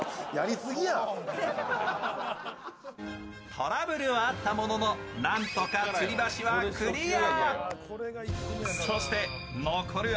トラブルはあったものの何とかつり橋はクリア。